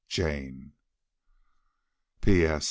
"JANE. "P.S.